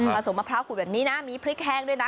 สมมะพร้าวขูดแบบนี้นะมีพริกแห้งด้วยนะ